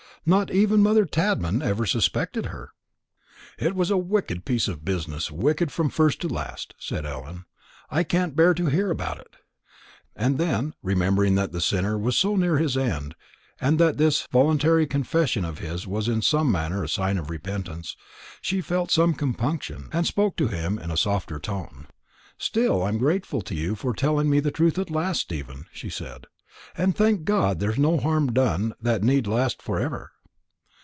Not even mother Tadman ever suspected her." "It was a wicked piece of business wicked from first to last," said Ellen. "I can't bear to hear about it." And then, remembering that the sinner was so near his end, and that this voluntary confession of his was in some manner a sign of repentance, she felt some compunction, and spoke to him in a softer tone. "Still I'm grateful to you for telling me the truth at last, Stephen," she said; "and, thank God, there's no harm done that need last for ever.